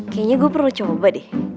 kayaknya gue perlu coba deh